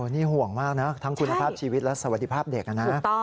นี่ห่วงมากนะทั้งคุณภาพชีวิตและสวัสดีภาพเด็กนะ